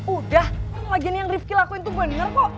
udah orang lagi yang ripki lakuin tuh bener kok